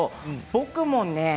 僕もね